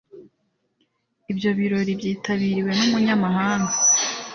ibyo birori byitabiriwe n’umunyamabanga